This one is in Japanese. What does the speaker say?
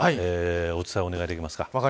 お伝えをお願いできますか。